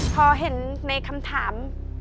พอเห็นในคำถาม